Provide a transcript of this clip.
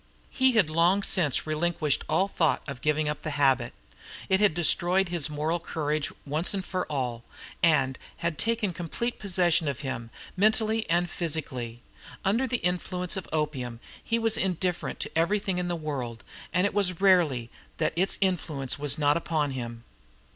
He had long since relinquished all thought of giving up the habit. It had destroyed his moral courage once and for all, and had taken complete possession of him, mentally and physically. Under the influence of opium he was indifferent to everything in the world; and it was rarely that its influence was not upon him.